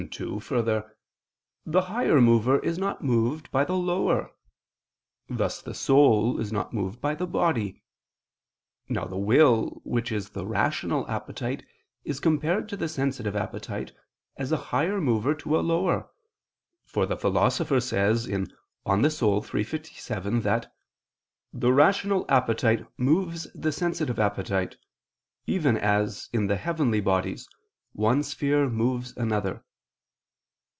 2: Further, the higher mover is not moved by the lower; thus the soul is not moved by the body. Now the will, which is the rational appetite, is compared to the sensitive appetite, as a higher mover to a lower: for the Philosopher says (De Anima iii, text. 57) that "the rational appetite moves the sensitive appetite, even as, in the heavenly bodies, one sphere moves another."